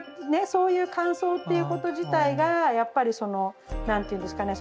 そういう感想っていうこと自体がやっぱりその何ていうんですかね